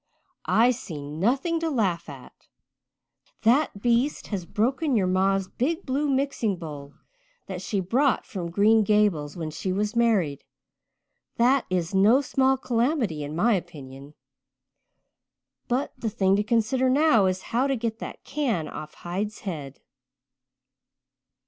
"I see nothing to laugh at. That beast has broken your ma's big blue mixing bowl that she brought from Green Gables when she was married. That is no small calamity, in my opinion. But the thing to consider now is how to get that can off Hyde's head."